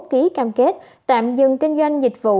ký cam kết tạm dừng kinh doanh dịch vụ